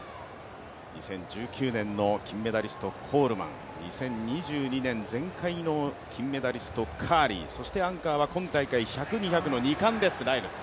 ２０１９年の金メダリスト、コールマン、２０２２年前回の金メダリスト、カーリーそしてアンカーは今大会１００、２００の２冠、ライルズ。